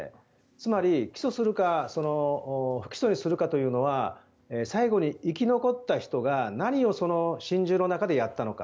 つまり起訴するか不起訴にするかというのは最後に生き残った人が何を心中の中でやったのか。